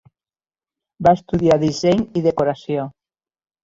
Va estudiar disseny i decoració.